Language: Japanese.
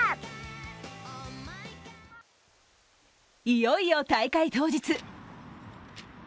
いよいよ大会当日。